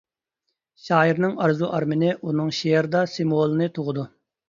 شائىرنىڭ ئارزۇ-ئارمىنى ئۇنىڭ شېئىرىدا سىمۋولنى تۇغىدۇ.